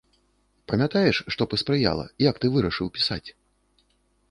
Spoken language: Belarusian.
Памятаеш, што паспрыяла, як ты вырашыў пісаць?